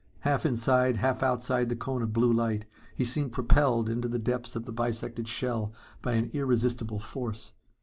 Half inside, half outside the cone of blue light he seemed propelled into the depths of the bisected shell by an irresistible force.